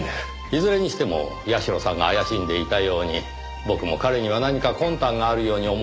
いずれにしても社さんが怪しんでいたように僕も彼には何か魂胆があるように思いますねぇ。